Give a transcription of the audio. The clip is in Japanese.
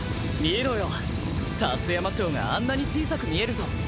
見ろよ竜山町があんなに小さく見えるぞ。